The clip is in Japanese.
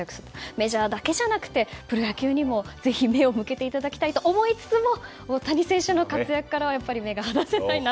メジャーだけじゃなくてプロ野球にもぜひ目を向けてもらいたいと思いつつも大谷選手の活躍からは目が離せないと。